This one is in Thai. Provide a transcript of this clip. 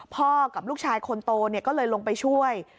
พอกับลูกชายคนโตเนี่ยก็เลยลงไปช่วย